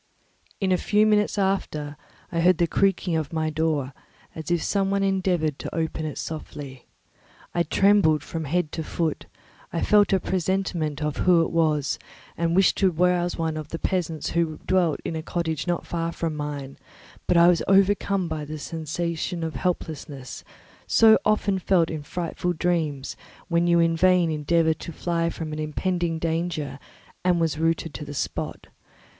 In a few minutes after, I heard the creaking of my door, as if some one endeavoured to open it softly. I trembled from head to foot; I felt a presentiment of who it was and wished to rouse one of the peasants who dwelt in a cottage not far from mine; but I was overcome by the sensation of helplessness, so often felt in frightful dreams, when you in vain endeavour to fly from an impending danger, and was rooted to the spot.